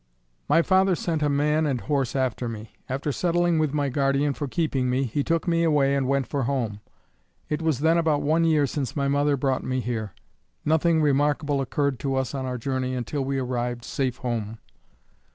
My father sent a man and horse after me. After settling with my guardian for keeping me, he took me away and went for home. It was then about one year since my mother brought me here. Nothing remarkable occured to us on our journey until we arrived safe home.